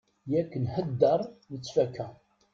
Yak nhedder nettfaka.